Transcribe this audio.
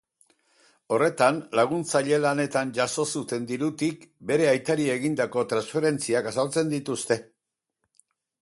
Horretan, laguntzaile lanetan jaso zuten dirutik bere aitari egindako transferentziak azaltzen dituzte.